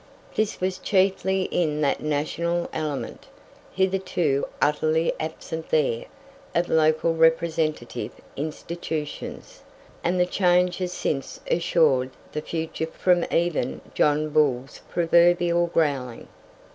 This was chiefly in that national element, hitherto utterly absent there, of local representative institutions; and the change has since assured the future from even John Bull's proverbial growling.